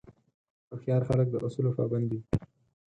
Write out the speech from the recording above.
هوښیار خلک د اصولو پابند وي.